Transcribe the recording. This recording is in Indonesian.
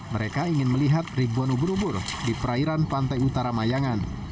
mereka ingin melihat ribuan ubur ubur di perairan pantai utara mayangan